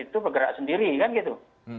itu bergerak sendiri kan gitu